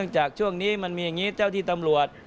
ในช่วงนี้มีเจ้าที่ตำรวจ